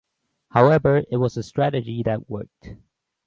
However, it was a strategy that worked.